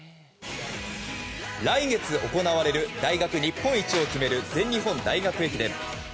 来月行われる大学日本一を決める全日本大学駅伝。